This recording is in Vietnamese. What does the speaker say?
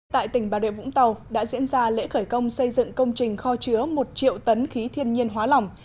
tại tỉnh bà rịa vũng tàu đã diễn ra lễ khởi công xây dựng công trình kho chứa một triệu tấn khí thiên nhiên hóa lỏng